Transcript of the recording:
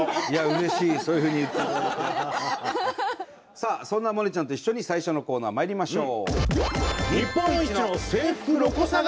さあそんな萌音ちゃんと一緒に最初のコーナーまいりましょう。